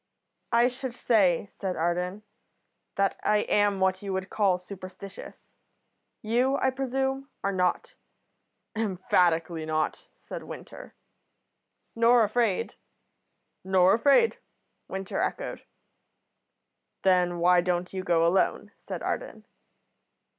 "I should say," said Arden, "that I am what you would call superstitious. You, I presume, are not." "Emphatically not," said Winter. "Nor afraid?" "Nor afraid," Winter echoed. "Then why don't you go alone?" said Arden.